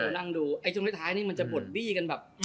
นั่งดูจงท้ายมันจะบ่นวี่กันแบบ